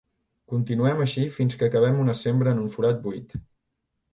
Continuem així fins que acabem una sembra en un forat buit.